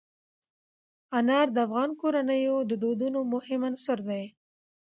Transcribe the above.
انار د افغان کورنیو د دودونو مهم عنصر دی.